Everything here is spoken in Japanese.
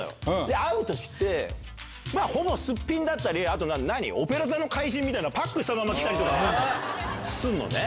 会うときって、まあ、ほぼすっぴんだったり、あと、何、オペラ座の怪人みたいなパックしたまま来たりとかすんのね。